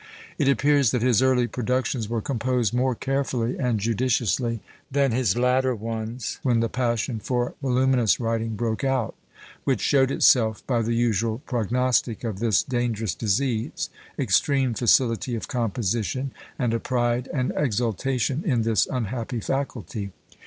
It appears that his early productions were composed more carefully and judiciously than his latter ones, when the passion for voluminous writing broke out, which showed itself by the usual prognostic of this dangerous disease extreme facility of composition, and a pride and exultation in this unhappy faculty.